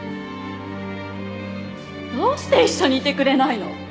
どうして一緒にいてくれないの？